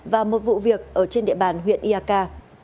và một vụ việc trên địa bàn huyện ia ca